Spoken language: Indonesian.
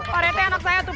pak retek anak saya tuh